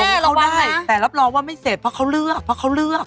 หลงเขาได้แต่รับรองว่าไม่เสร็จเพราะเขาเลือก